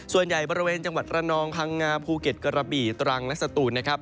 ส่วนใหญ่บริเวณจังหวัดระนองพังงาภูเก็ตกระบี่ตรังและสตูนนะครับ